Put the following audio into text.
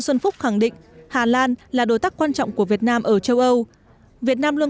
xuân phúc khẳng định hà lan là đối tác quan trọng của việt nam ở châu âu việt nam luôn